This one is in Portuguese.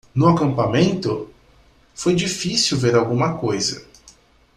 No acampamento? foi difícil ver alguma coisa.